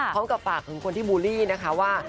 พร้อมกับฝากถึงคนที่บูลลี่นะคะว่า